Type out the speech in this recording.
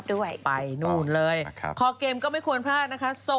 พี่ชอบแซงไหลทางอะเนาะ